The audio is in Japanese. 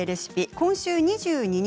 今週２２日